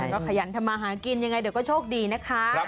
ก็ขยันทำมาหากินยังไงเดี๋ยวก็โชคดีนะคะ